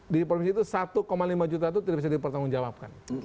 di provinsi itu satu lima juta itu tidak bisa dipertanggungjawabkan